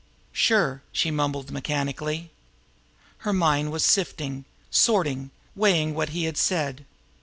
"Sure!" she mumbled mechanically. Her mind was sifting, sorting, weighing what he had said.